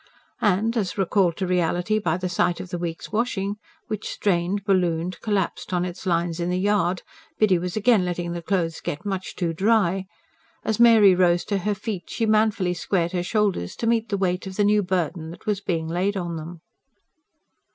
And as, recalled to reality by the sight of the week's washing, which strained, ballooned, collapsed, on its lines in the yard Biddy was again letting the clothes get much too dry! as Mary rose to her feet, she manfully squared her shoulders to meet the weight of the new burden that was being laid on them.